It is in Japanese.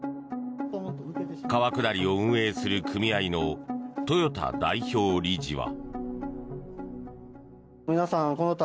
川下りを運営する組合の豊田代表理事は。